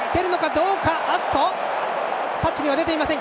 タッチには出ていません！